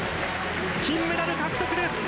金メダル獲得です！